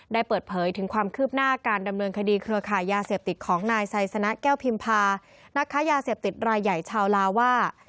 ได้เปิดเผยถึงความคืบหน้าการดำเนินคดีเครือขายยาเสพติดของนายไซสนะแก้วพิมพานักค้ายาเสพติดรายใหญ่ชาวลาวว่า